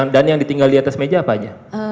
dan yang ditinggalkan di atas meja apa saja